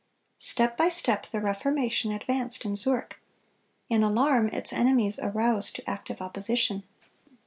Step by step the Reformation advanced in Zurich. In alarm its enemies aroused to active opposition.